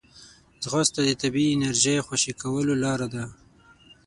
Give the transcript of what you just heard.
ځغاسته د طبیعي انرژۍ خوشې کولو لاره ده